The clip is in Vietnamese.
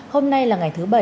hôm nay là ngày thứ bảy